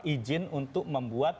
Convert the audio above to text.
izin untuk membuat